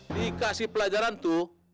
dikasih pelajaran tuh